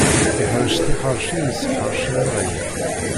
Iḥṛec tiḥeṛci yisseḥṛacen iɣwyal.